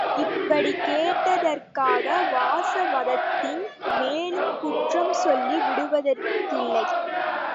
இப்படிக் கேட்டதற்காக வாசவதத்தையின் மேலும் குற்றம் சொல்லி விடுவதற்கில்லை!